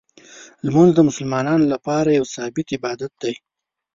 لمونځ د مسلمانانو لپاره یو ثابت عبادت دی.